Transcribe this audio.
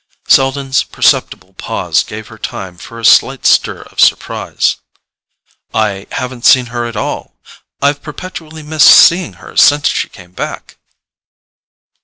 Selden's perceptible pause gave her time for a slight stir of surprise. "I haven't seen her at all—I've perpetually missed seeing her since she came back."